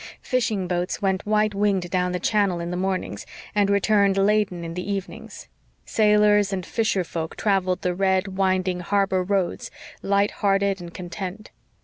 Fishing boats went white winged down the channel in the mornings, and returned laden in the evenings. Sailors and fisher folk travelled the red, winding harbor roads, light hearted and content.